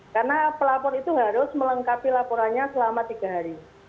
karena pelapor itu harus melengkapi laporannya selama tiga hari